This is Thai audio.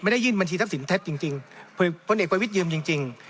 ไม่ได้ยื่นบัญชีทัพสินเท็จจริงผลเอกบริวิตยืมจริง